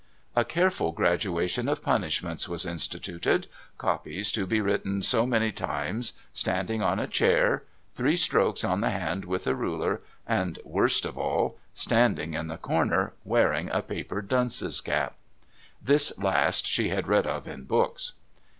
A careful graduation of punishments was instituted, copies to be written so many times, standing on a chair, three strokes on the hand with a ruler, and, worst of all, standing in the corner wearing a paper Dunce's cap. (This last she had read of in books.)